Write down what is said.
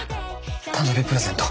誕生日プレゼント。